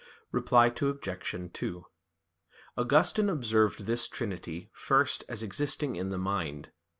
Reply Obj. 2: Augustine observed this trinity, first, as existing in the mind.